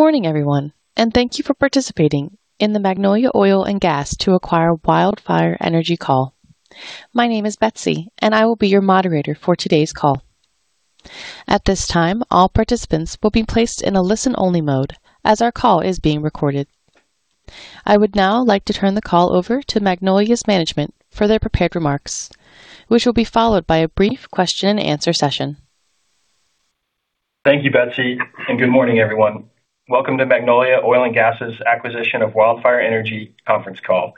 Good morning, everyone. Thank you for participating in the Magnolia Oil & Gas to acquire WildFire Energy call. My name is Betsy. I will be your Moderator for today's call. At this time, all participants will be placed in a listen-only mode as our call is being recorded. I would now like to turn the call over to Magnolia's management for their prepared remarks, which will be followed by a brief question and answer session. Thank you, Betsy. Good morning, everyone. Welcome to Magnolia Oil & Gas's acquisition of WildFire Energy conference call.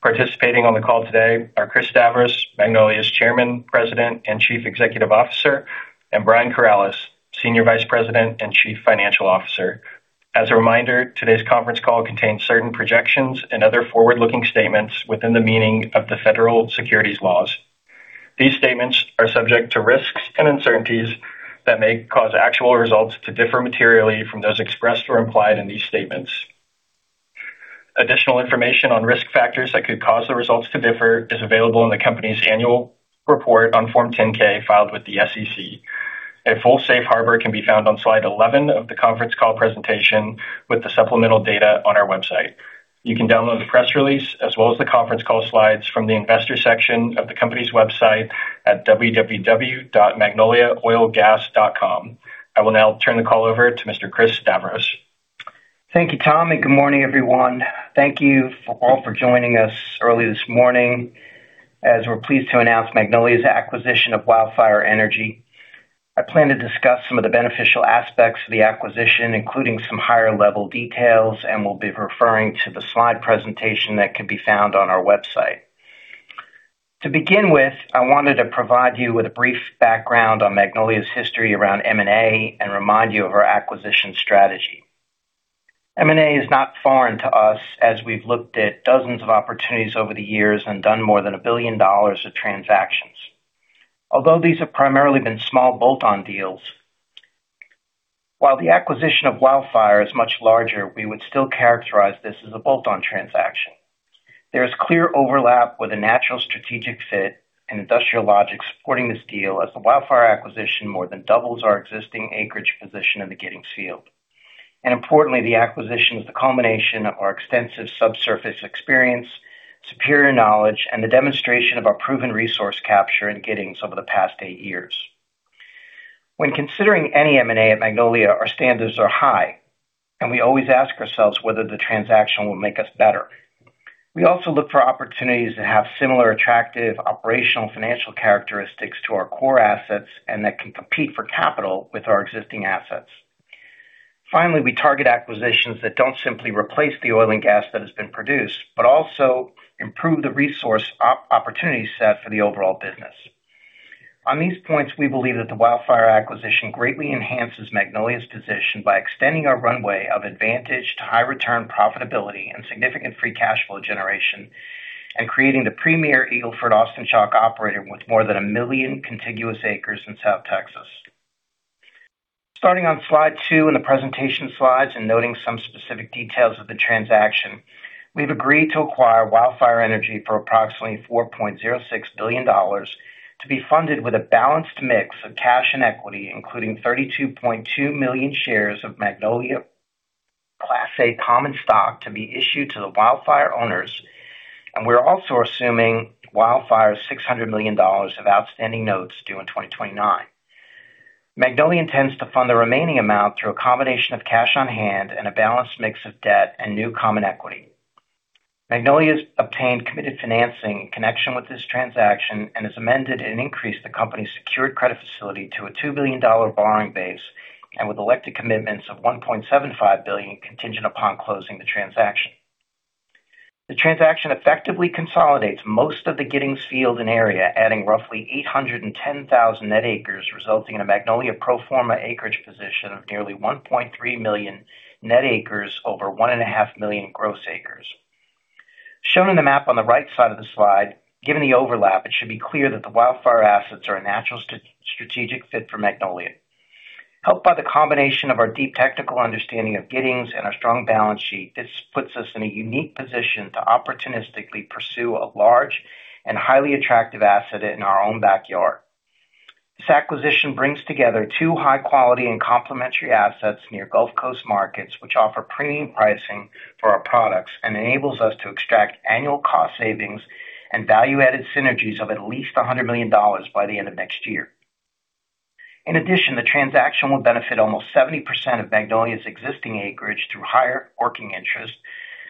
Participating on the call today are Chris Stavros, Magnolia's Chairman, President, and Chief Executive Officer, and Brian Corales, Senior Vice President and Chief Financial Officer. As a reminder, today's conference call contains certain projections and other forward-looking statements within the meaning of the federal securities laws. These statements are subject to risks and uncertainties that may cause actual results to differ materially from those expressed or implied in these statements. Additional information on risk factors that could cause the results to differ is available in the company's annual report on Form 10-K filed with the SEC. A full safe harbor can be found on slide 11 of the conference call presentation with the supplemental data on our website. You can download the press release as well as the conference call slides from the investor section of the company's website at www.magnoliaoilgas.com. I will now turn the call over to Mr. Chris Stavros. Thank you, Tom. Good morning, everyone. Thank you all for joining us early this morning, as we're pleased to announce Magnolia's acquisition of WildFire Energy. I plan to discuss some of the beneficial aspects of the acquisition, including some higher-level details. We'll be referring to the slide presentation that can be found on our website. To begin with, I wanted to provide you with a brief background on Magnolia's history around M&A and remind you of our acquisition strategy. M&A is not foreign to us, as we've looked at dozens of opportunities over the years and done more than $1 billion of transactions. Although these have primarily been small bolt-on deals, while the acquisition of WildFire is much larger, we would still characterize this as a bolt-on transaction. There is clear overlap with a natural strategic fit and industrial logic supporting this deal as the WildFire acquisition more than doubles our existing acreage position in the Giddings field. Importantly, the acquisition is the culmination of our extensive subsurface experience, superior knowledge, and the demonstration of our proven resource capture in Giddings over the past eight years. When considering any M&A at Magnolia, our standards are high, and we always ask ourselves whether the transaction will make us better. We also look for opportunities that have similar attractive operational financial characteristics to our core assets and that can compete for capital with our existing assets. Finally, we target acquisitions that don't simply replace the oil and gas that has been produced but also improve the resource opportunity set for the overall business. On these points, we believe that the WildFire acquisition greatly enhances Magnolia's position by extending our runway of advantage to high return profitability and significant free cash flow generation and creating the premier Eagle Ford/Austin Chalk operator with more than 1 million contiguous acres in South Texas. Starting on slide two in the presentation slides and noting some specific details of the transaction, we've agreed to acquire WildFire Energy for approximately $4.06 billion to be funded with a balanced mix of cash and equity, including 32.2 million shares of Magnolia Class A common stock to be issued to the WildFire owners, and we're also assuming WildFire's $600 million of outstanding notes due in 2029. Magnolia intends to fund the remaining amount through a combination of cash on hand and a balanced mix of debt and new common equity. Magnolia has obtained committed financing in connection with this transaction and has amended and increased the company's secured credit facility to a $2 billion borrowing base and with elected commitments of $1.75 billion contingent upon closing the transaction. The transaction effectively consolidates most of the Giddings field and area, adding roughly 810,000 net acres, resulting in a Magnolia pro forma acreage position of nearly 1.3 million net acres over 1.5 million gross acres. Shown in the map on the right side of the slide, given the overlap, it should be clear that the WildFire assets are a natural strategic fit for Magnolia. Helped by the combination of our deep technical understanding of Giddings and our strong balance sheet, this puts us in a unique position to opportunistically pursue a large and highly attractive asset in our own backyard. This acquisition brings together two high-quality and complementary assets near Gulf Coast markets, which offer premium pricing for our products and enables us to extract annual cost savings and value-added synergies of at least $100 million by the end of next year. In addition, the transaction will benefit almost 70% of Magnolia's existing acreage through higher working interest,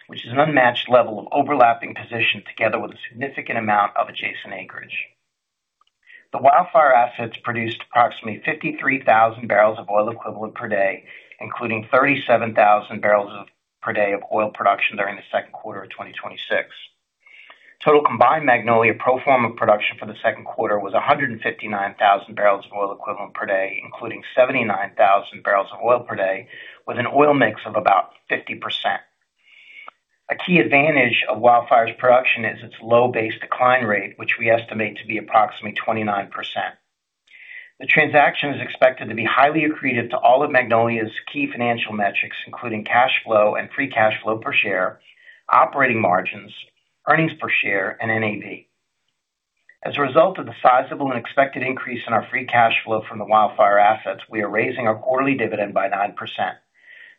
which is an unmatched level of overlapping position together with a significant amount of adjacent acreage. The WildFire assets produced approximately 53,000 bbl of oil equivalent per day, including 37,000 bbl per day of oil production during the second quarter of 2026. Total combined Magnolia pro forma production for the second quarter was 159,000 bbl of oil equivalent per day, including 79,000 bbl of oil per day with an oil mix of about 50%. A key advantage of WildFire's production is its low base decline rate, which we estimate to be approximately 29%. The transaction is expected to be highly accretive to all of Magnolia's key financial metrics, including cash flow and free cash flow per share, operating margins, earnings per share, and NAV. As a result of the sizable and expected increase in our free cash flow from the WildFire assets, we are raising our quarterly dividend by 9%.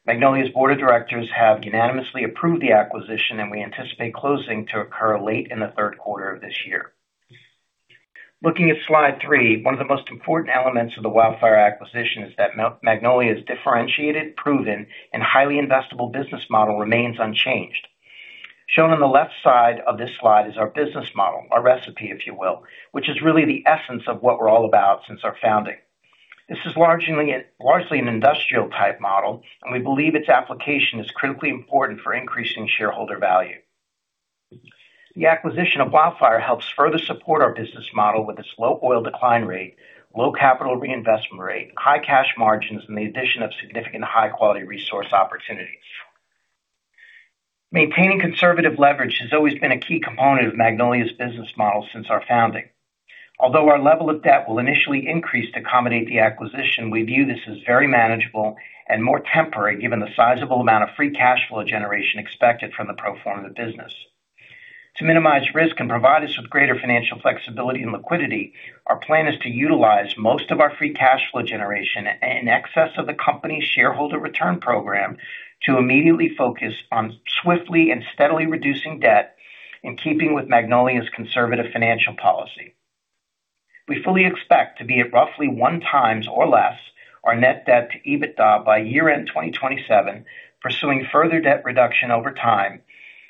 Magnolia's Board of Directors have unanimously approved the acquisition, and we anticipate closing to occur late in the third quarter of this year. Looking at slide three, one of the most important elements of the WildFire acquisition is that Magnolia's differentiated, proven, and highly investable business model remains unchanged. Shown on the left side of this slide is our business model, our recipe, if you will, which is really the essence of what we're all about since our founding. This is largely an industrial type model, and we believe its application is critically important for increasing shareholder value. The acquisition of WildFire helps further support our business model with its low oil decline rate, low capital reinvestment rate, high cash margins, and the addition of significant high-quality resource opportunities. Maintaining conservative leverage has always been a key component of Magnolia's business model since our founding. Although our level of debt will initially increase to accommodate the acquisition, we view this as very manageable and more temporary, given the sizable amount of free cash flow generation expected from the pro forma business. To minimize risk and provide us with greater financial flexibility and liquidity, our plan is to utilize most of our free cash flow generation in excess of the company's shareholder return program to immediately focus on swiftly and steadily reducing debt, in keeping with Magnolia's conservative financial policy. We fully expect to be at roughly 1x or less our net debt to EBITDA by year-end 2027, pursuing further debt reduction over time,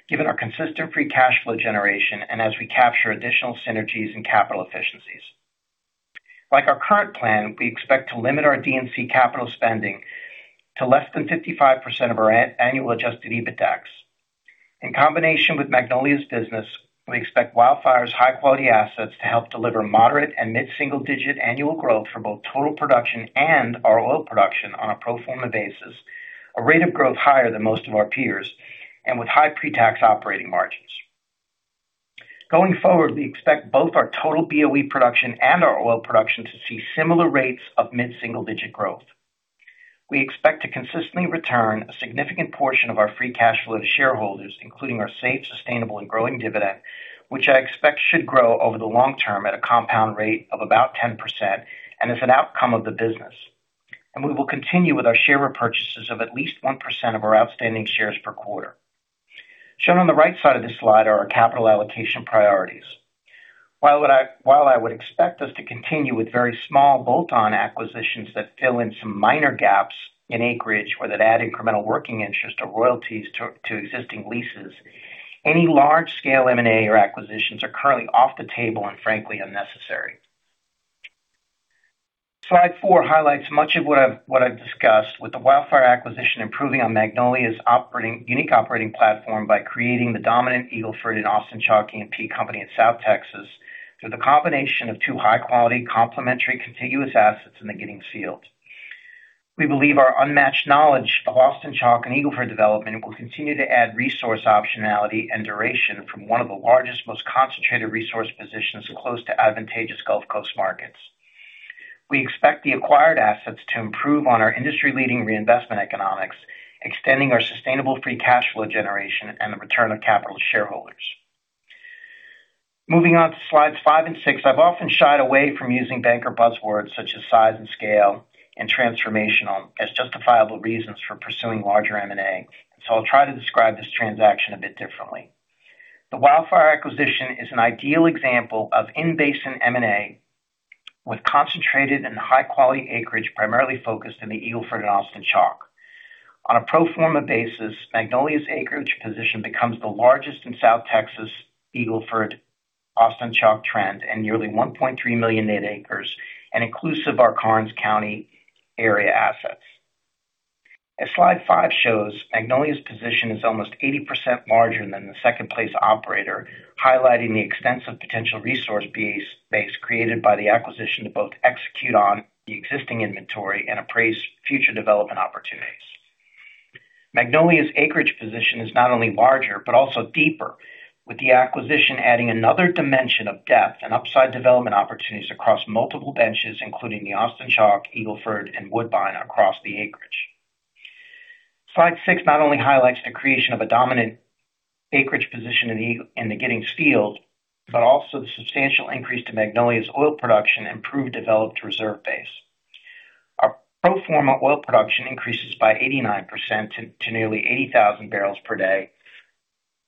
given our consistent free cash flow generation and as we capture additional synergies and capital efficiencies. Like our current plan, we expect to limit our D&C capital spending to less than 55% of our annual adjusted EBITDAX. In combination with Magnolia's business, we expect WildFire's high-quality assets to help deliver moderate and mid-single-digit annual growth for both total production and our oil production on a pro forma basis, a rate of growth higher than most of our peers, and with high pre-tax operating margins. Going forward, we expect both our total BOE production and our oil production to see similar rates of mid-single-digit growth. We expect to consistently return a significant portion of our free cash flow to shareholders, including our safe, sustainable, and growing dividend, which I expect should grow over the long term at a compound rate of about 10%, and is an outcome of the business. And we will continue with our share repurchases of at least 1% of our outstanding shares per quarter. Shown on the right side of this slide are our capital allocation priorities. While I would expect us to continue with very small bolt-on acquisitions that fill in some minor gaps in acreage or that add incremental working interest or royalties to existing leases, any large-scale M&A or acquisitions are currently off the table, and frankly, unnecessary. Slide four highlights much of what I've discussed with the WildFire acquisition improving on Magnolia's unique operating platform by creating the dominant Eagle Ford/Austin Chalk E&P company in South Texas through the combination of two high-quality, complementary, contiguous assets in the Giddings field. We believe our unmatched knowledge of Austin Chalk and Eagle Ford development will continue to add resource optionality and duration from one of the largest, most concentrated resource positions close to advantageous Gulf Coast markets. We expect the acquired assets to improve on our industry-leading reinvestment economics, extending our sustainable free cash flow generation and the return of capital to shareholders. Moving on to slides five and six, I've often shied away from using banker buzzwords such as size and scale and transformational as justifiable reasons for pursuing larger M&A. I'll try to describe this transaction a bit differently. The WildFire acquisition is an ideal example of in-basin M&A with concentrated and high-quality acreage primarily focused in the Eagle Ford/Austin Chalk. On a pro forma basis, Magnolia's acreage position becomes the largest in South Texas Eagle Ford/Austin Chalk trend, and nearly 1.3 million net acres, and inclusive our Karnes County area assets. As slide five shows, Magnolia's position is almost 80% larger than the second-place operator, highlighting the extensive potential resource base created by the acquisition to both execute on the existing inventory and appraise future development opportunities. Magnolia's acreage position is not only larger, but also deeper, with the acquisition adding another dimension of depth and upside development opportunities across multiple benches, including the Austin Chalk, Eagle Ford, and Woodbine across the acreage. Slide six not only highlights the creation of a dominant acreage position in the Giddings field, but also the substantial increase to Magnolia's oil production and proved developed reserve base. Our pro forma oil production increases by 89% to nearly 80,000 bbl per day,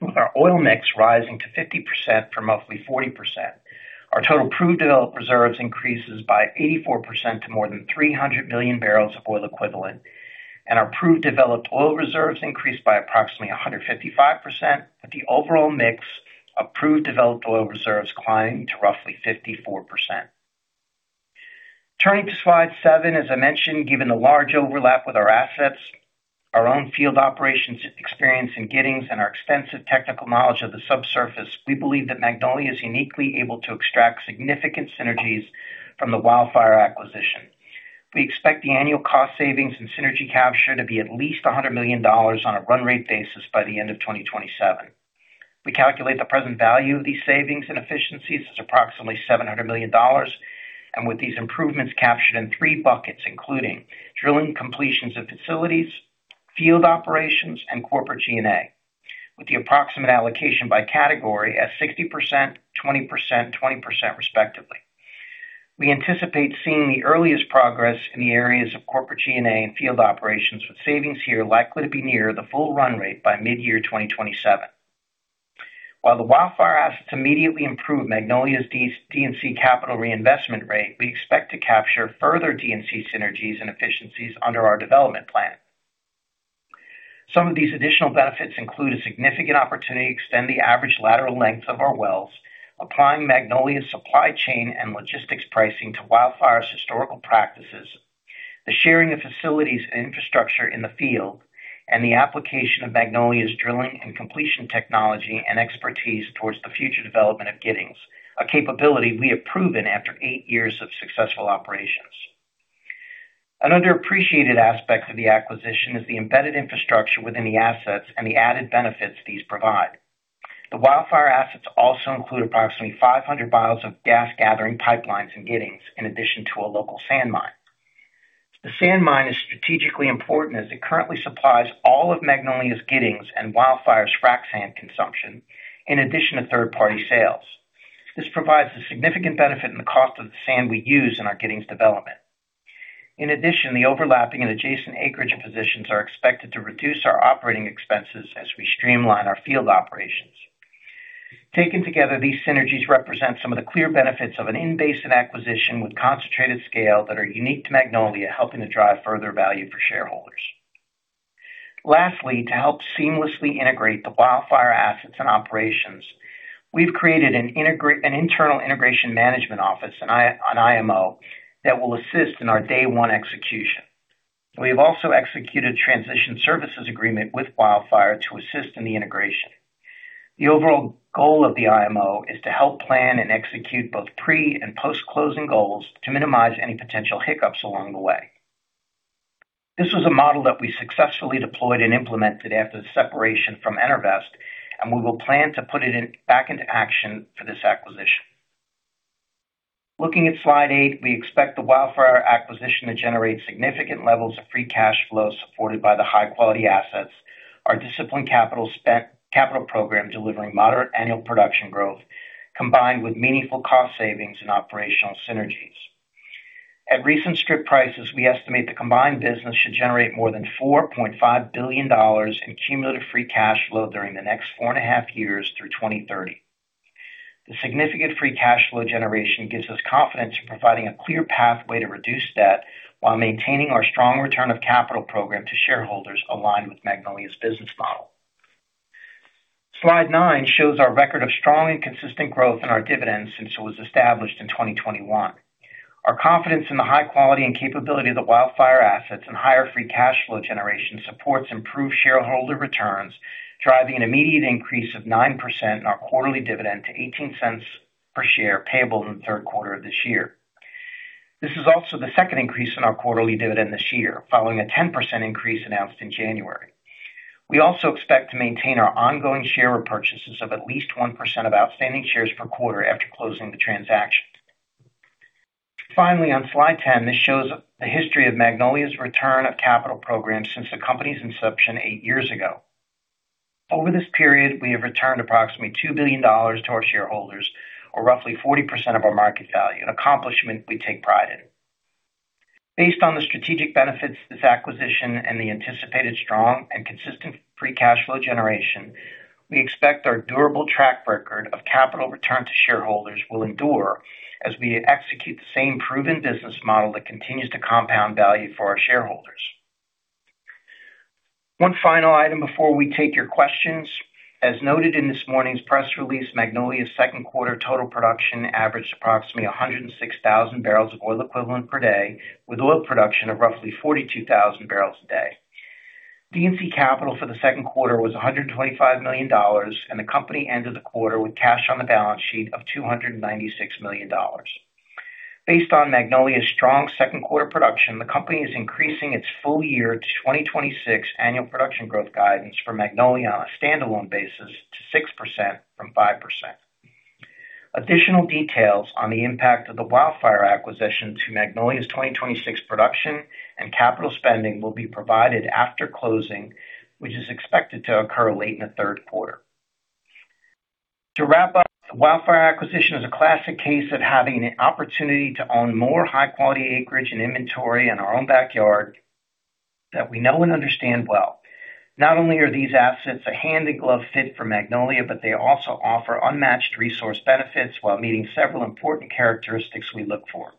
with our oil mix rising to 50% from roughly 40%. Our total proved developed reserves increases by 84% to more than 300 million bbl of oil equivalent, and our proved developed oil reserves increased by approximately 155%, with the overall mix of proved developed oil reserves climbing to roughly 54%. Turning to slide seven, as I mentioned, given the large overlap with our assets, our own field operations experience in Giddings, and our extensive technical knowledge of the subsurface, we believe that Magnolia is uniquely able to extract significant synergies from the WildFire acquisition. We expect the annual cost savings and synergy capture to be at least $100 million on a run-rate basis by the end of 2027. We calculate the present value of these savings and efficiencies is approximately $700 million, and with these improvements captured in three buckets, including drilling completions of facilities, field operations, and corporate G&A. With the approximate allocation by category at 60%, 20%, 20% respectively. We anticipate seeing the earliest progress in the areas of corporate G&A and field operations, with savings here likely to be near the full run rate by mid-year 2027. While the WildFire assets immediately improve Magnolia's D&C capital reinvestment rate, we expect to capture further D&C synergies and efficiencies under our development plan. Some of these additional benefits include a significant opportunity to extend the average lateral length of our wells, applying Magnolia's supply chain and logistics pricing to WildFire's historical practices, the sharing of facilities and infrastructure in the field, and the application of Magnolia's drilling and completion technology and expertise towards the future development of Giddings, a capability we have proven after eight years of successful operations. Another appreciated aspect of the acquisition is the embedded infrastructure within the assets and the added benefits these provide. The WildFire assets also include approximately 500 mi of gas gathering pipelines in Giddings, in addition to a local sand mine. The sand mine is strategically important as it currently supplies all of Magnolia's Giddings and WildFire's frac sand consumption, in addition to third-party sales. This provides a significant benefit in the cost of the sand we use in our Giddings development. In addition, the overlapping and adjacent acreage positions are expected to reduce our operating expenses as we streamline our field operations. Taken together, these synergies represent some of the clear benefits of an in-basin acquisition with concentrated scale that are unique to Magnolia, helping to drive further value for shareholders. Lastly, to help seamlessly integrate the WildFire assets and operations, we've created an internal integration management office, an IMO, that will assist in our day one execution. We have also executed transition services agreement with WildFire to assist in the integration. The overall goal of the IMO is to help plan and execute both pre and post-closing goals to minimize any potential hiccups along the way. This was a model that we successfully deployed and implemented after the separation from EnerVest, and we will plan to put it back into action for this acquisition. Looking at slide eight, we expect the WildFire acquisition to generate significant levels of free cash flow supported by the high-quality assets, our disciplined capital program delivering moderate annual production growth, combined with meaningful cost savings and operational synergies. At recent strip prices, we estimate the combined business should generate more than $4.5 billion in cumulative free cash flow during the next 4.5 years through 2030. The significant free cash flow generation gives us confidence in providing a clear pathway to reduce debt while maintaining our strong return of capital program to shareholders aligned with Magnolia's business model. Slide nine shows our record of strong and consistent growth in our dividends since it was established in 2021. Our confidence in the high quality and capability of the WildFire assets and higher free cash flow generation supports improved shareholder returns, driving an immediate increase of 9% in our quarterly dividend to $0.18 per share, payable in the third quarter of this year. This is also the second increase in our quarterly dividend this year, following a 10% increase announced in January. We also expect to maintain our ongoing share repurchases of at least 1% of outstanding shares per quarter after closing the transaction. Finally, on slide 10, this shows the history of Magnolia's return of capital program since the company's inception eight years ago. Over this period, we have returned approximately $2 billion to our shareholders or roughly 40% of our market value, an accomplishment we take pride in. Based on the strategic benefits of this acquisition and the anticipated strong and consistent free cash flow generation, we expect our durable track record of capital return to shareholders will endure as we execute the same proven business model that continues to compound value for our shareholders. One final item before we take your questions. As noted in this morning's press release, Magnolia's second quarter total production averaged approximately 106,000 bbl of oil equivalent per day, with oil production of roughly 42,000 bbl a day. D&C capital for the second quarter was $125 million, and the company ended the quarter with cash on the balance sheet of $296 million. Based on Magnolia's strong second quarter production, the company is increasing its full year 2026 annual production growth guidance for Magnolia on a standalone basis to 6% from 5%. Additional details on the impact of the WildFire acquisition to Magnolia's 2026 production and capital spending will be provided after closing, which is expected to occur late in the third quarter. To wrap up, the WildFire acquisition is a classic case of having an opportunity to own more high-quality acreage and inventory in our own backyard that we know and understand well. Not only are these assets a hand-in-glove fit for Magnolia, but they also offer unmatched resource benefits while meeting several important characteristics we look for.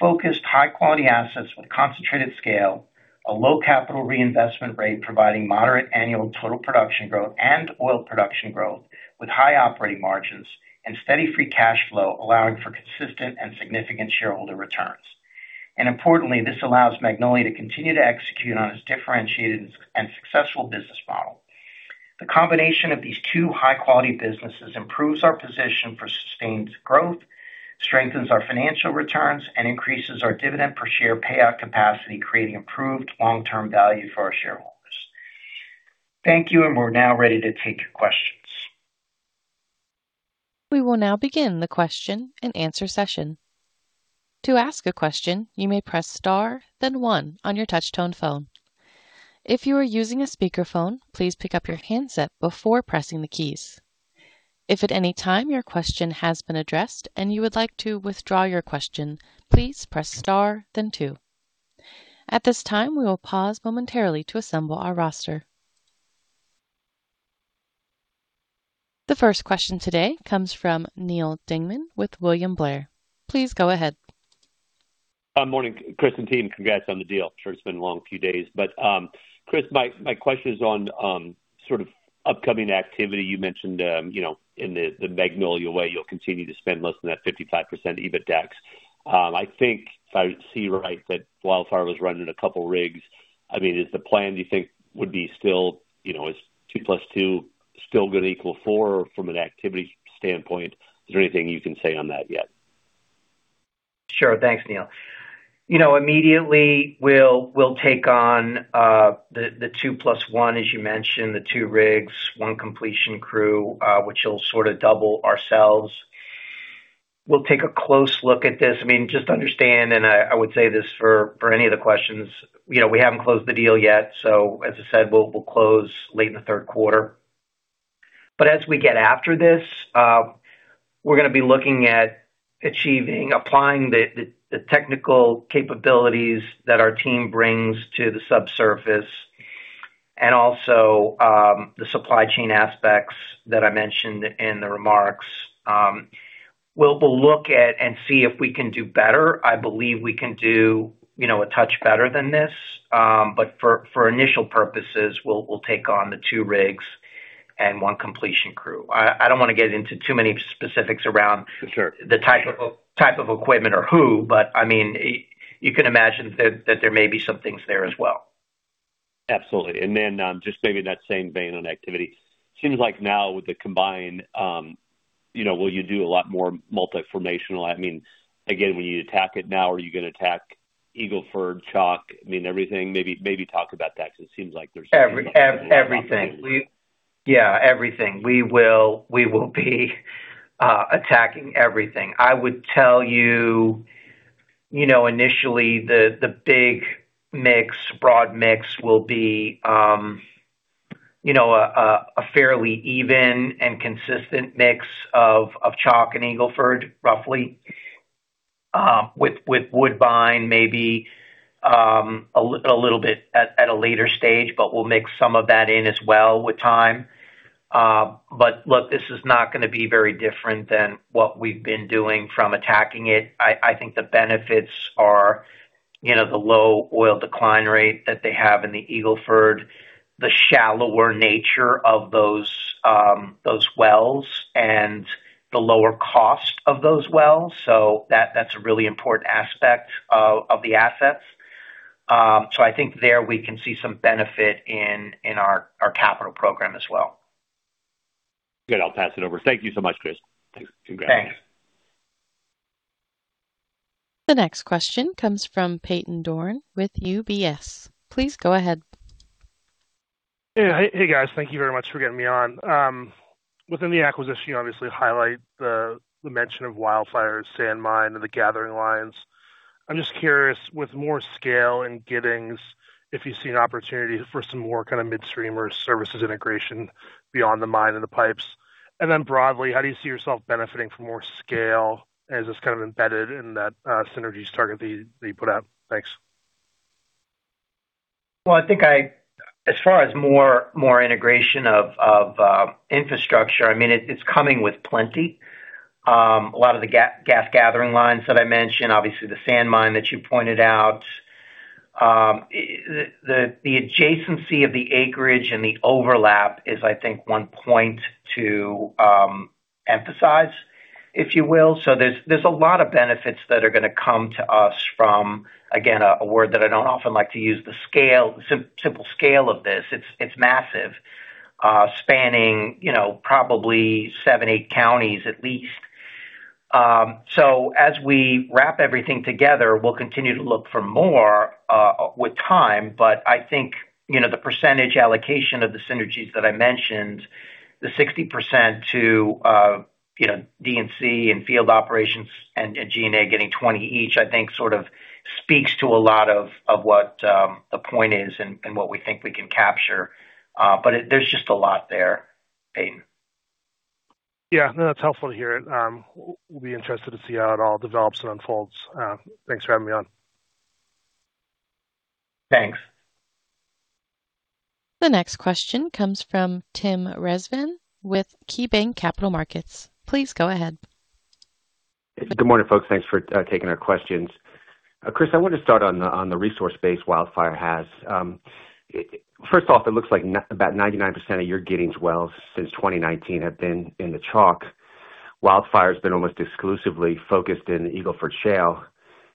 Focused high-quality assets with concentrated scale, a low capital reinvestment rate providing moderate annual total production growth and oil production growth with high operating margins and steady free cash flow, allowing for consistent and significant shareholder returns. Importantly, this allows Magnolia to continue to execute on its differentiated and successful business model. The combination of these two high-quality businesses improves our position for sustained growth, strengthens our financial returns, and increases our dividend per share payout capacity, creating improved long-term value for our shareholders. Thank you. We're now ready to take your questions. We will now begin the question and answer session. To ask a question, you may press star, then one on your touchtone phone. If you are using a speakerphone, please pick up your handset before pressing the keys. If at any time your question has been addressed and you would like to withdraw your question, please press star then two. At this time, we will pause momentarily to assemble our roster. The first question today comes from Neal Dingmann with William Blair. Please go ahead. Morning, Chris and team. Congrats on the deal. I'm sure it's been a long few days, but, Chris, my question is on upcoming activity. You mentioned, in the Magnolia way, you'll continue to spend less than that 55% EBITDAX. I think if I see right, that WildFire was running a couple of rigs. Is the plan you think would be still, is two plus two still going to equal four from an activity standpoint? Is there anything you can say on that yet? Sure. Thanks, Neal. Immediately we'll take on the two plus one, as you mentioned, the two rigs, one completion crew, which will double ourselves. We'll take a close look at this. Just understand, and I would say this for any of the questions, we haven't closed the deal yet, so as I said, we'll close late in the third quarter. As we get after this, we're going to be looking at achieving, applying the technical capabilities that our team brings to the subsurface and also the supply chain aspects that I mentioned in the remarks. We'll look at and see if we can do better. I believe we can do a touch better than this. For initial purposes, we'll take on the two rigs and one completion crew. I don't want to get into too many specifics around the type of equipment or who, but you can imagine that there may be some things there as well. Absolutely. Just maybe in that same vein on activity, seems like now with the combined, will you do a lot more multiformational? Again, when you attack it now, are you going to attack Eagle Ford and Chalk? Maybe talk about that because it seems like there's Everything. Yeah, everything. We will be attacking everything. I would tell you initially the big mix, broad mix will be a fairly even and consistent mix of Chalk and Eagle Ford, roughly. With Woodbine maybe a little bit at a later stage, but we'll mix some of that in as well with time. Look, this is not going to be very different than what we've been doing from attacking it. I think the benefits are the low oil decline rate that they have in the Eagle Ford, the shallower nature of those wells, and the lower cost of those wells. That's a really important aspect of the assets. I think there we can see some benefit in our capital program as well. Good. I'll pass it over. Thank you so much, Chris. Thanks. Congratulations. Thanks. The next question comes from Peyton Dorne with UBS. Please go ahead. Hey, guys. Thank you very much for getting me on. Within the acquisition, you obviously highlight the mention of WildFire Sand Mine and the gathering lines. I'm just curious, with more scale in Giddings, if you see an opportunity for some more midstream or services integration beyond the mine and the pipes. Broadly, how do you see yourself benefiting from more scale as it's embedded in that synergies target that you put out? Thanks. I think as far as more integration of infrastructure, it's coming with plenty. A lot of the gas gathering lines that I mentioned, obviously the sand mine that you pointed out. The adjacency of the acreage and the overlap is, I think, one point to emphasize, if you will. There's a lot of benefits that are going to come to us from, again, a word that I don't often like to use, the simple scale of this. It's massive. Spanning probably seven, eight counties at least. As we wrap everything together, we'll continue to look for more with time, but I think, the percentage allocation of the synergies that I mentioned, the 60% to D&C and field operations and G&A getting 20 each, I think sort of speaks to a lot of what the point is and what we think we can capture. There's just a lot there, Peyton. Yeah, no, that's helpful to hear. We'll be interested to see how it all develops and unfolds. Thanks for having me on. Thanks. The next question comes from Tim Rezvan with KeyBanc Capital Markets. Please go ahead. Good morning, folks. Thanks for taking our questions. Chris, I wanted to start on the resource base WildFire has. First off, it looks like about 99% of your Giddings wells since 2019 have been in the Chalk. WildFire's been almost exclusively focused in Eagle Ford Shale,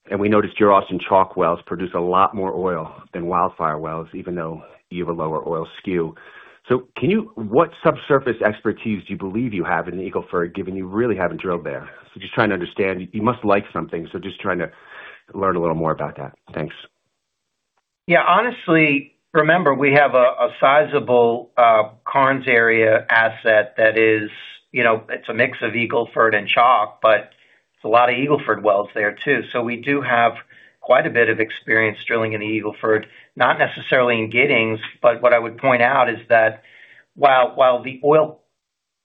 and we noticed your Austin Chalk wells produce a lot more oil than WildFire wells, even though you have a lower oil SKU. What subsurface expertise do you believe you have in the Eagle Ford, given you really haven't drilled there? Just trying to understand. You must like something. Just trying to learn a little more about that. Thanks. Yeah, honestly, remember we have a sizable Karnes area asset that it's a mix of Eagle Ford and Chalk, but it's a lot of Eagle Ford wells there too. We do have quite a bit of experience drilling in the Eagle Ford, not necessarily in Giddings, but what I would point out is that while the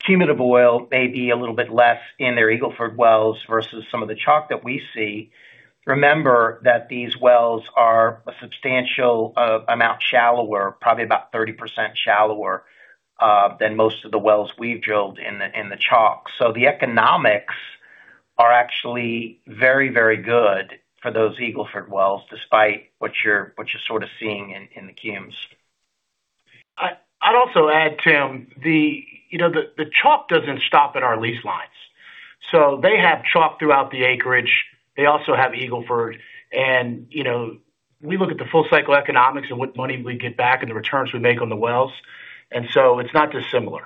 cumulative oil may be a little bit less in their Eagle Ford wells versus some of the Chalk that we see, remember that these wells are a substantial amount shallower, probably about 30% shallower, than most of the wells we've drilled in the Chalk. The economics are actually very, very good for those Eagle Ford wells, despite what you're sort of seeing in the cumes. I'd also add, Tim, the Chalk doesn't stop at our lease lines, so they have Chalk throughout the acreage. They also have Eagle Ford. We look at the full cycle economics and what money we get back and the returns we make on the wells. It's not dissimilar.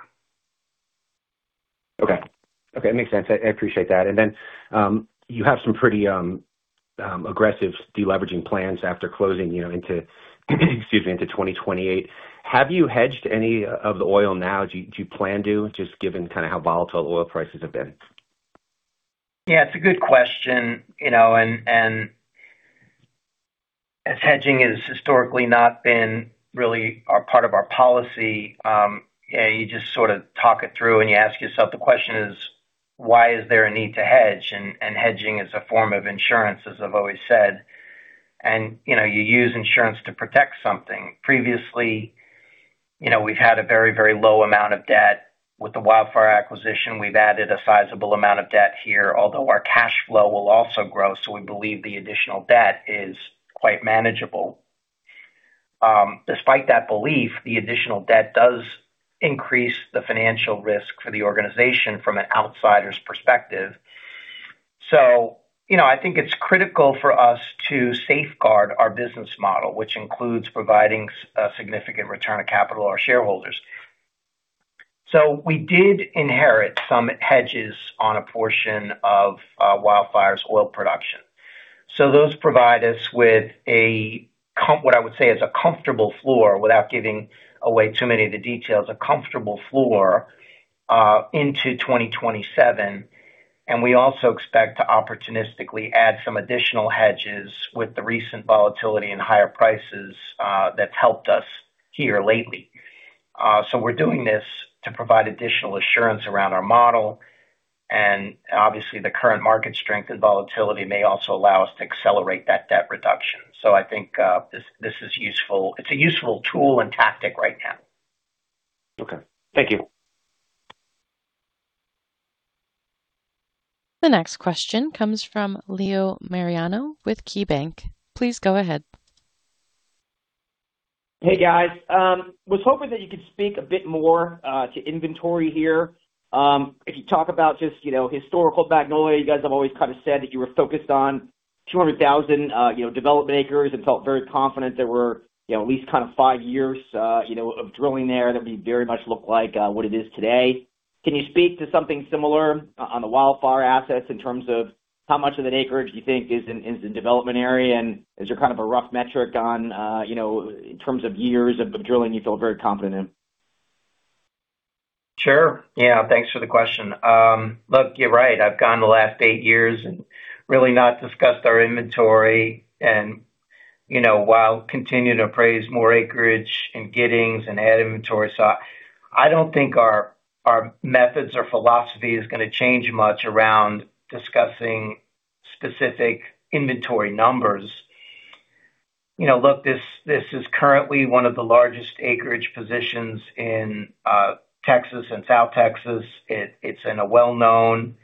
Okay. Makes sense. I appreciate that. You have some pretty aggressive de-leveraging plans after closing into 2028. Have you hedged any of the oil now? Do you plan to, just given how volatile oil prices have been? Yeah, it's a good question. As hedging has historically not been really a part of our policy, you just sort of talk it through and you ask yourself, the question is, "Why is there a need to hedge?" Hedging is a form of insurance, as I've always said. You use insurance to protect something. Previously, we've had a very, very low amount of debt. With the WildFire acquisition, we've added a sizable amount of debt here, although our cash flow will also grow, so we believe the additional debt is quite manageable. Despite that belief, the additional debt does increase the financial risk for the organization from an outsider's perspective. I think it's critical for us to safeguard our business model, which includes providing a significant return of capital to our shareholders. We did inherit some hedges on a portion of WildFire's oil production. Those provide us with a, what I would say is a comfortable floor, without giving away too many of the details, a comfortable floor, into 2027. We also expect to opportunistically add some additional hedges with the recent volatility and higher prices that's helped us here lately. We're doing this to provide additional assurance around our model, and obviously the current market strength and volatility may also allow us to accelerate that debt reduction. I think, it's a useful tool and tactic right now. Okay. Thank you. The next question comes from Leo Mariani with KeyBanc. Please go ahead. Hey, guys. Was hoping that you could speak a bit more to inventory here. If you talk about just historical Magnolia, you guys have always said that you were focused on 200,000 development acres and felt very confident there were at least five years of drilling there, that we very much look like what it is today. Can you speak to something similar on the WildFire assets in terms of how much of that acreage do you think is in development area? Is there a rough metric in terms of years of drilling you feel very confident in? Sure. Yeah. Thanks for the question. Look, you're right. I've gone the last eight years and really not discussed our inventory, while continuing to appraise more acreage in Giddings and add inventory. I don't think our methods or philosophy is going to change much around discussing specific inventory numbers. Look, this is currently one of the largest acreage positions in Texas and South Texas. It's in a well-known,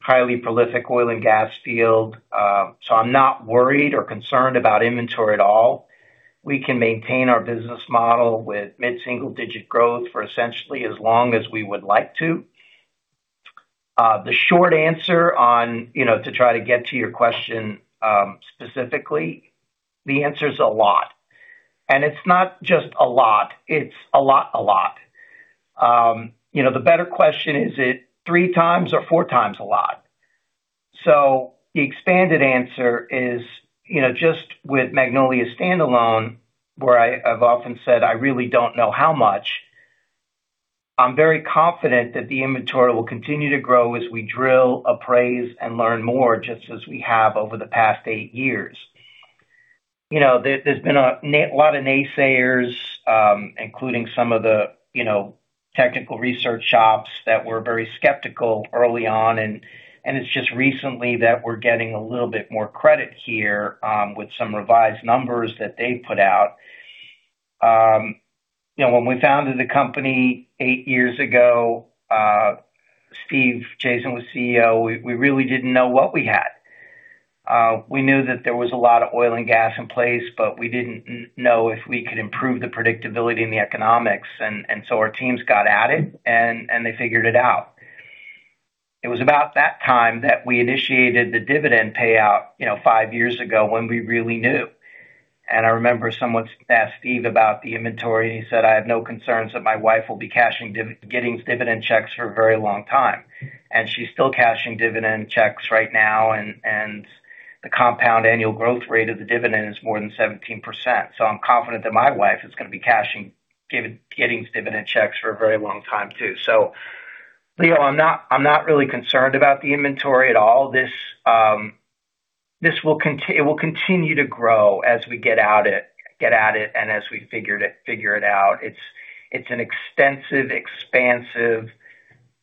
highly prolific oil and gas field. I'm not worried or concerned about inventory at all. We can maintain our business model with mid-single digit growth for essentially as long as we would like to. The short answer on, to try to get to your question specifically, the answer's a lot. It's not just a lot, it's a lot, a lot. The better question, is it 3x or 4x a lot? The expanded answer is, just with Magnolia standalone, where I've often said I really don't know how much, I'm very confident that the inventory will continue to grow as we drill, appraise, and learn more, just as we have over the past eight years. There's been a lot of naysayers, including some of the technical research shops that were very skeptical early on. It's just recently that we're getting a little bit more credit here, with some revised numbers that they've put out. When we founded the company eight years ago, Steve Chazen was CEO. We really didn't know what we had. We knew that there was a lot of oil and gas in place, but we didn't know if we could improve the predictability and the economics. Our teams got at it, and they figured it out. It was about that time that we initiated the dividend payout five years ago when we really knew. I remember someone asked Steve about the inventory, and he said, "I have no concerns that my wife will be cashing Giddings dividend checks for a very long time." She's still cashing dividend checks right now, and the compound annual growth rate of the dividend is more than 17%. I'm confident that my wife is going to be cashing, getting dividend checks for a very long time, too. Leo, I'm not really concerned about the inventory at all. This will continue to grow as we get at it, and as we figure it out. It's an extensive, expansive,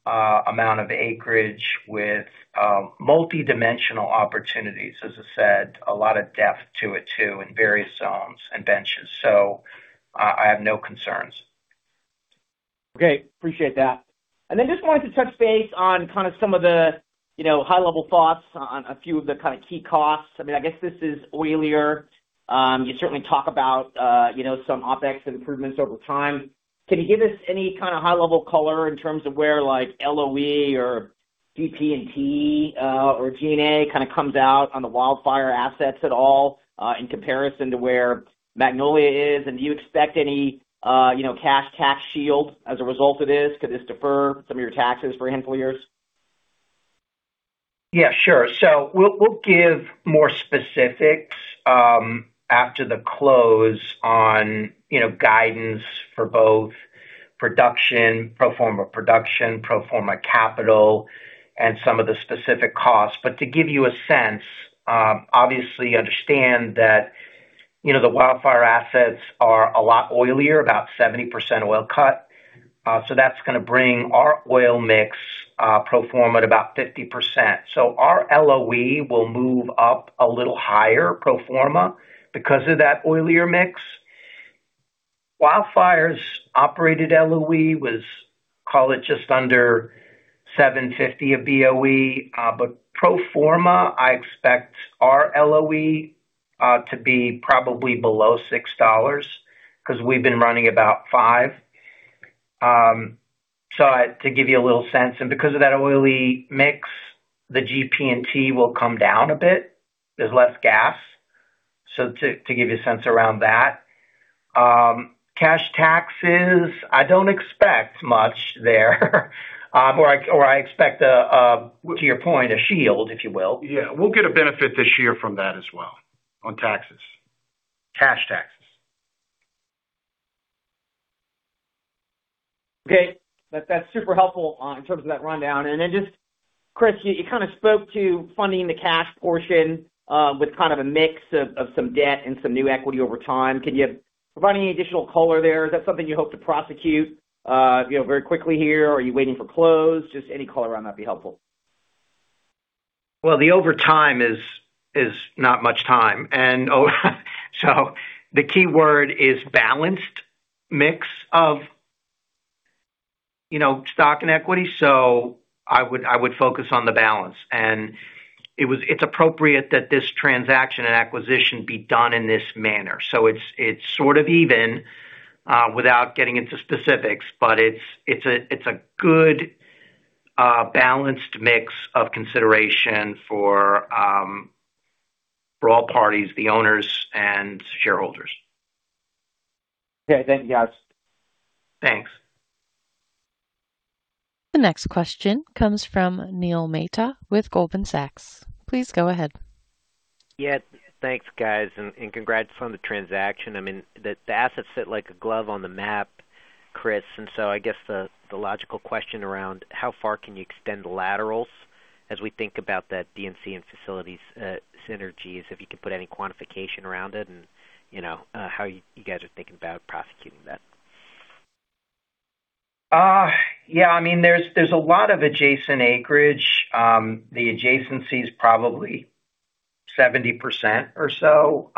amount of acreage with multi-dimensional opportunities. As I said, a lot of depth to it too, and various zones and benches. I have no concerns. Okay. Appreciate that. Just wanted to touch base on some of these high-level thoughts on a few of the key costs. I guess this is oilier. You certainly talk about some OpEx improvements over time. Can you give us any high-level color in terms of where LOE or GP&T or G&A kind of comes out on the WildFire assets at all, in comparison to where Magnolia is? Do you expect any cash tax shield as a result of this? Could this defer some of your taxes for handful years? Yeah, sure. We'll give more specifics after the close on guidance for both production, pro forma production, pro forma capital, and some of the specific costs. To give you a sense, obviously understand that the WildFire assets are a lot oilier, about 70% oil cut. That's going to bring our oil mix pro forma at about 50%. Our LOE will move up a little higher pro forma because of that oilier mix. WildFire's operated LOE was, call it just under 750 BOE. Pro forma, I expect our LOE to be probably below $6 because we've been running about $5. To give you a little sense. Because of that oily mix, the GP&T will come down a bit. There's less gas. To give you a sense around that. Cash taxes, I don't expect much there. I expect, to your point, a shield, if you will. Yeah. We'll get a benefit this year from that as well, on taxes. Cash taxes. Okay. That's super helpful in terms of that rundown. Chris, you kind of spoke to funding the cash portion with kind of a mix of some debt and some new equity over time. Can you provide any additional color there? Is that something you hope to prosecute very quickly here? Are you waiting for close? Just any color on that would be helpful. The overtime is not much time. The key word is balanced mix of stock and equity. I would focus on the balance. It's appropriate that this transaction and acquisition be done in this manner. It's sort of even, without getting into specifics. It's a good, balanced mix of consideration for all parties, the owners, and shareholders. Okay, got it. Thanks. The next question comes from Neil Mehta with Goldman Sachs. Please go ahead. Yeah. Thanks, guys, and congrats on the transaction. The assets fit like a glove on the map, Chris. I guess the logical question around how far can you extend the laterals as we think about that D&C and facilities synergies, if you could put any quantification around it and how you guys are thinking about prosecuting that? Yeah. There's a lot of adjacent acreage. The adjacency is probably 70% or so.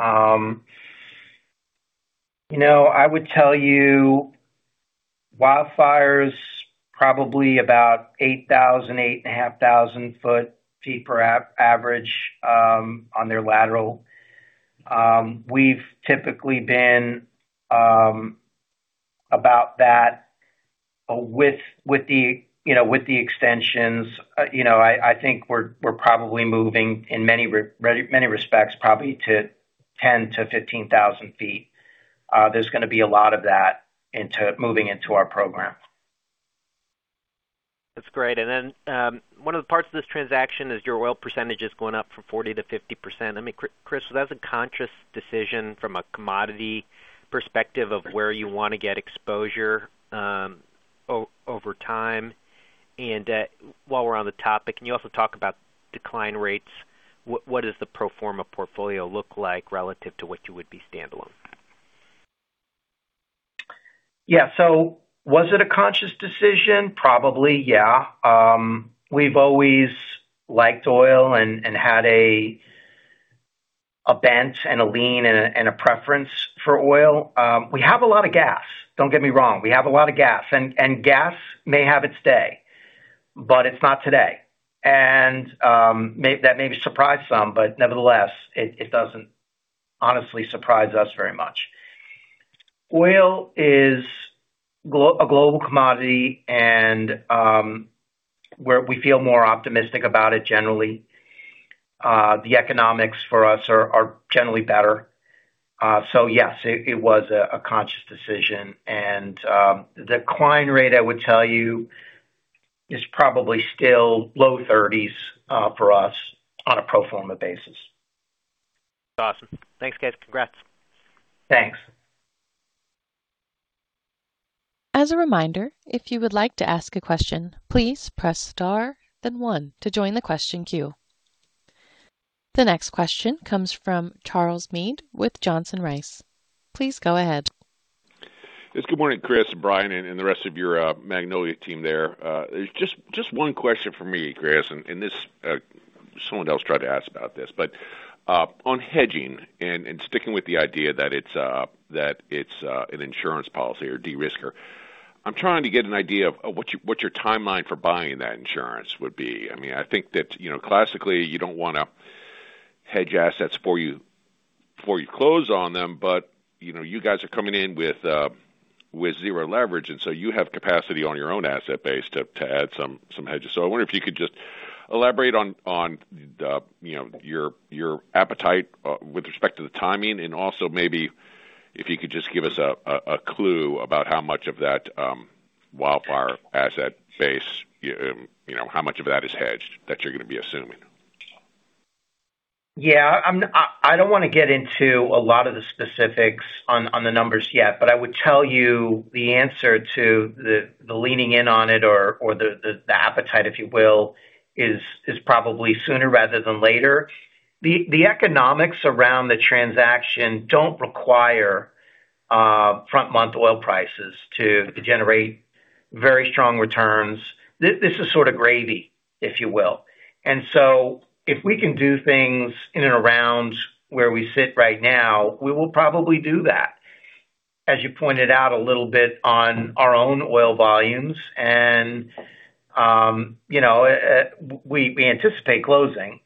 I would tell you WildFire's probably about 8,000 ft, 8,500 ft per average on their lateral. We've typically been about that with the extensions. I think we're probably moving, in many respects, probably to 10,000 ft-15,000 ft. There's going to be a lot of that into moving into our program. That's great. One of the parts of this transaction is your oil percentages going up from 40%-50%. Chris, was that a conscious decision from a commodity perspective of where you want to get exposure over time? While we're on the topic, can you also talk about decline rates? What does the pro forma portfolio look like relative to what you would be standalone? Yeah. Was it a conscious decision? Probably, yeah. We've always liked oil and had a bent and a lean and a preference for oil. We have a lot of gas. Don't get me wrong. We have a lot of gas. Gas may have its day, but it's not today. That maybe surprised some, but nevertheless, it doesn't honestly surprise us very much. Oil is a global commodity, and we feel more optimistic about it generally. The economics for us are generally better. Yes, it was a conscious decision. The decline rate, I would tell you, is probably still low thirties for us on a pro forma basis. Awesome. Thanks, guys. Congrats. Thanks. As a reminder, if you would like to ask a question, please press star then one to join the question queue. The next question comes from Charles Meade with Johnson Rice. Please go ahead. Yes, good morning, Chris, Brian, and the rest of your Magnolia team there. Just one question for me, Chris, and someone else tried to ask about this. On hedging and sticking with the idea that it's an insurance policy or de-risker, I'm trying to get an idea of what your timeline for buying that insurance would be. I think that classically, you don't want to hedge assets before you close on them, but you guys are coming in with zero leverage, you have capacity on your own asset base to add some hedges. I wonder if you could just elaborate on your appetite with respect to the timing, and also maybe if you could just give us a clue about how much of that WildFire asset base is hedged that you're going to be assuming. Yeah. I don't want to get into a lot of the specifics on the numbers yet, but I would tell you the answer to the leaning in on it or the appetite, if you will, is probably sooner rather than later. The economics around the transaction don't require front-month oil prices to generate very strong returns. This is sort of gravy, if you will. If we can do things in and around where we sit right now, we will probably do that, as you pointed out a little bit on our own oil volumes and we anticipate closing.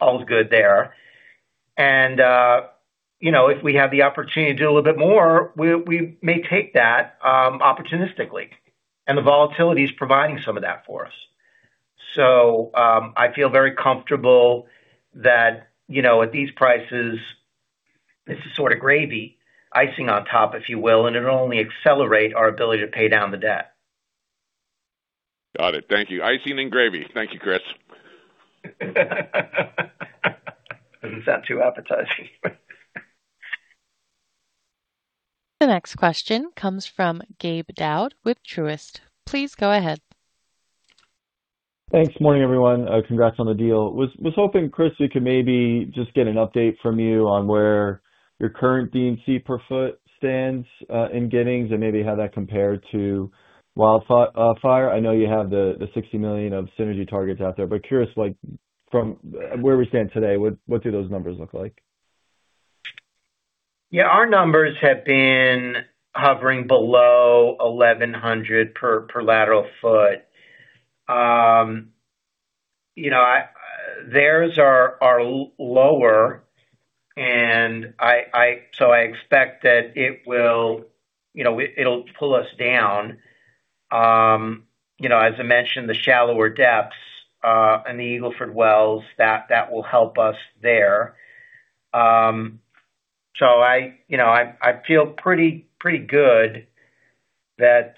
All's good there. If we have the opportunity to do a little bit more, we may take that opportunistically, and the volatility is providing some of that for us. I feel very comfortable that at these prices, it's a sort of gravy, icing on top, if you will, and it'll only accelerate our ability to pay down the debt. Got it. Thank you. Icing and gravy. Thank you, Chris. Doesn't sound too appetizing. The next question comes from Gabe Daoud with Truist. Please go ahead. Thanks. Morning, everyone. Congrats on the deal. Was hoping, Chris, we could maybe just get an update from you on where your current D&C per foot stands in Giddings and maybe how that compared to WildFire. I know you have the $60 million of synergy targets out there, but curious, from where we stand today, what do those numbers look like? Yeah, our numbers have been hovering below 1,100 per lateral foot. Theirs are lower, and so I expect that it'll pull us down. As I mentioned, the shallower depths in the Eagle Ford wells, that will help us there. I feel pretty good that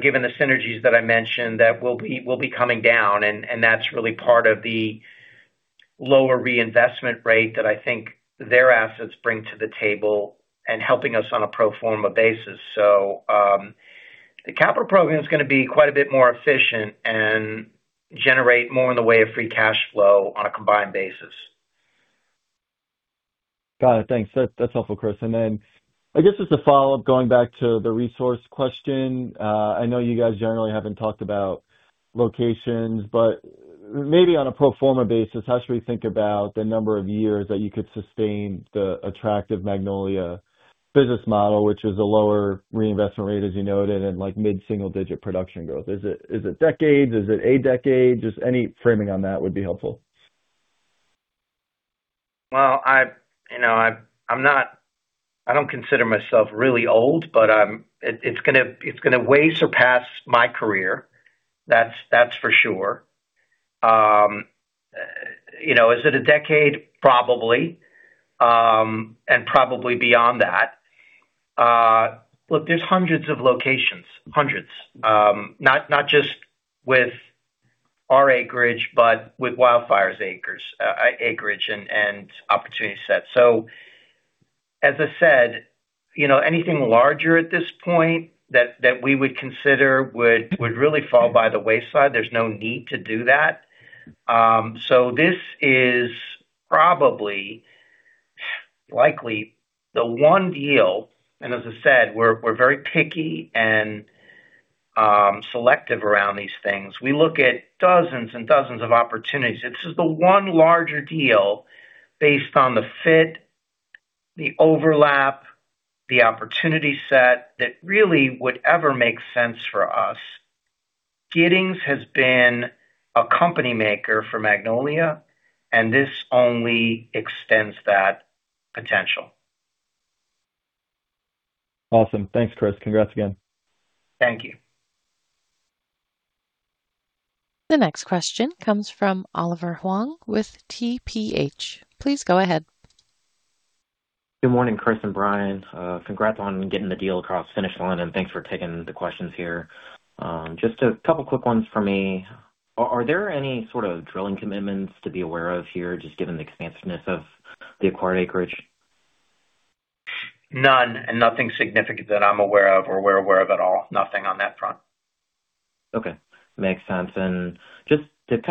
given the synergies that I mentioned, that we'll be coming down, and that's really part of the lower reinvestment rate that I think their assets bring to the table and helping us on a pro forma basis. The capital program is going to be quite a bit more efficient and generate more in the way of free cash flow on a combined basis. Got it. Thanks. That's helpful, Chris. I guess as a follow-up, going back to the resource question, I know you guys generally haven't talked about locations, but maybe on a pro forma basis, how should we think about the number of years that you could sustain the attractive Magnolia business model, which is a lower reinvestment rate, as you noted, and mid-single-digit production growth? Is it decades? Is it a decade? Just any framing on that would be helpful. Well, I don't consider myself really old, but it's going to way surpass my career, that's for sure. Is it a decade? Probably. Probably beyond that. Look, there's hundreds of locations. Hundreds. Not just with our acreage, but with WildFire's acreage and opportunity set. As I said, anything larger at this point that we would consider would really fall by the wayside. There's no need to do that. This is probably, likely the one deal, and as I said, we're very picky and selective around these things. We look at dozens and dozens of opportunities. This is the one larger deal based on the fit, the overlap, the opportunity set, that really would ever make sense for us. Giddings has been a company maker for Magnolia, and this only extends that potential. Awesome. Thanks, Chris. Congrats again. Thank you. The next question comes from Oliver Huang with TPH. Please go ahead. Good morning, Chris and Brian. Congrats on getting the deal across the finish line. Thanks for taking the questions here. Just a couple quick ones for me. Are there any sort of drilling commitments to be aware of here, just given the expansiveness of the acquired acreage? None. Nothing significant that I'm aware of or we're aware of at all. Nothing on that front. Okay. Makes sense. Just to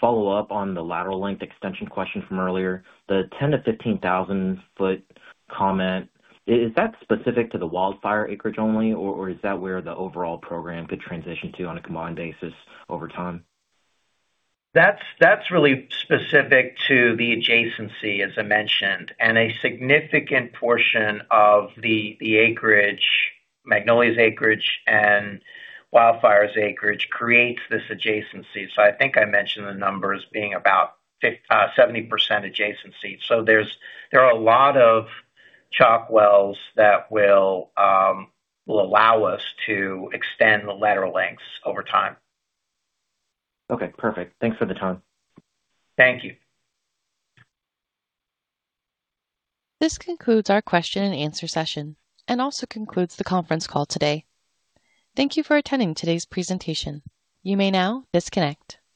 follow up on the lateral length extension question from earlier, the 10,000 ft-15,000 ft comment, is that specific to the WildFire acreage only, or is that where the overall program could transition to on a combined basis over time? That's really specific to the adjacency, as I mentioned, and a significant portion of the acreage, Magnolia's acreage and WildFire's acreage, creates this adjacency. I think I mentioned the numbers being about 70% adjacency. There are a lot of chalk wells that will allow us to extend the lateral lengths over time. Okay, perfect. Thanks for the time. Thank you. This concludes our question and answer session and also concludes the conference call today. Thank you for attending today's presentation. You may now disconnect.